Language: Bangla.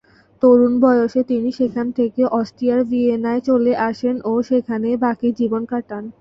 তরুণ বয়সে তিনি সেখান থেকে অস্ট্রিয়ার ভিয়েনায় চলে আসেন ও সেখানেই বাকী জীবন কাটান।